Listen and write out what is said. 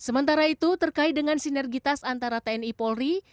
sementara itu terkait dengan sinergitas antara tni polri